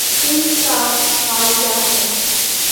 تو اس کا حل کیا ہے؟